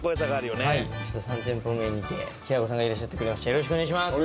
よろしくお願いします。